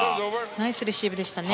ナイスレシーブでしたね。